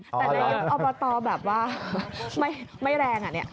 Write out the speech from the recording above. แต่ในอุปกรณ์ตอบแบบว่าไม่แรง